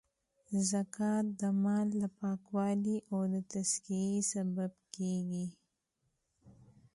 زکات د مال د پاکوالې او تذکیې سبب کیږی.